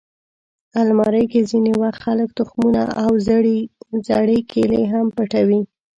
الماري کې ځینې وخت خلک تخمونه او زړې کیلې هم پټوي